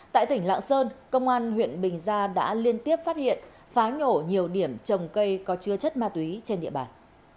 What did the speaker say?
tại tỉnh lạng sơn công an huyện bình gia đã liên tiếp phát hiện phá nhổ nhiều điểm trồng cây có chứa chất ma túy trên địa bàn